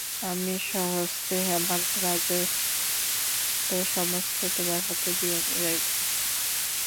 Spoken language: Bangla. আমি স্বহস্তে আমার রাজত্ব সমস্ত তোমার হাতে দিয়া যাইব।